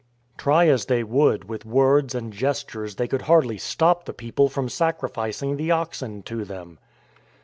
Try as they would with words and gestures they could hardly stop the people from sacrificing the oxen to them.